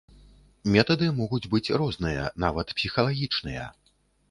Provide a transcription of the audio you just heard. Метады могуць быць розныя, нават псіхалагічныя.